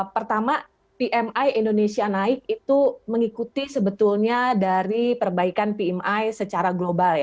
pertama pmi indonesia naik itu mengikuti sebetulnya dari perbaikan pmi secara global